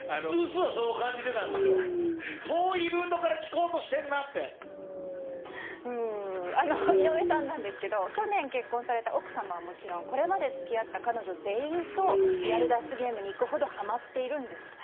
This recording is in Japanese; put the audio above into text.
きざな恋文を披露した井上さんに記者からは。井上さんなんですけど去年結婚された奥様はもちろんこれまで付き合った彼女全員とリアル脱出ゲームに行くほどはまっているんですって。